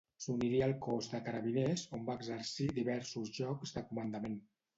S'uniria al Cos de Carabiners, on va exercir diversos llocs de comandament.